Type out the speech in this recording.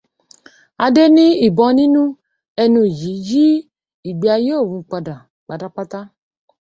Adé ní ìbọn nínú ẹnu yìí yí ìgbé ayé òun padà pátápátá.